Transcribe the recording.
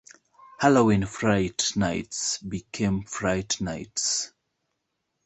Halloween Fright Nights became Fright Nights.